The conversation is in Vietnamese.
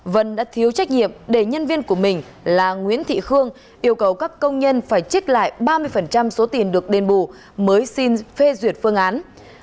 vân đã thiếu trách nhiệm để nhân viên của mình là nguyễn thị khương yêu cầu các công nhân phải trích lại ba mươi số tiền được đền bù mới xin phê duyệt phương án